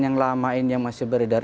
yang lama ini yang masih beredar